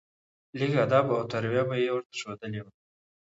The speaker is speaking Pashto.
لېږ ادب او تربيه به دې ورته ښودلى وه.